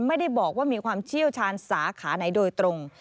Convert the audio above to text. ไม่ได้บอกว่ามีความเชี่ยวชาญสาขาไหนโดยตรง